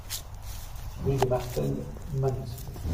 Rue des Martels, Manosque